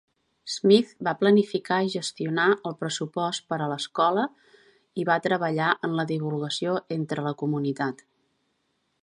Smith va planificar i gestionar el pressupost per a l'escola i va treballar en la divulgació entre la comunitat.